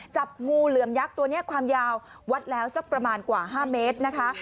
จับงูเหลือมยักษ์ตัวนี้ความยาววัดแล้วสักประมาณกว่า๕เมตรนะคะ